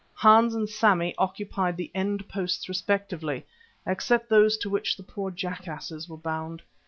Hans and Sammy occupied the end posts respectively (except those to which the poor jackasses were bound).